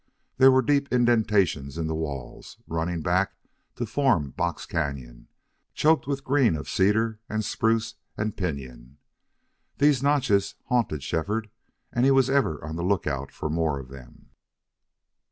There were deep indentations in the walls, running back to form box cañon, choked with green of cedar and spruce and pinyon. These notches haunted Shefford, and he was ever on the lookout for more of them.